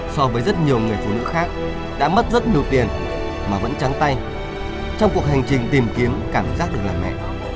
so với rất nhiều người phụ nữ khác đã mất rất nhiều tiền mà vẫn trắng tay trong cuộc hành trình tìm kiếm cảm giác được làm mẹ